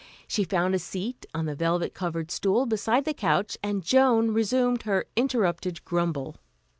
She found a seat on a velvet covered stool beside the couch, and Joan resumed her interrupted grumble.